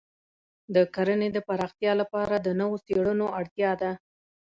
د کرنې د پراختیا لپاره د نوو څېړنو اړتیا ده.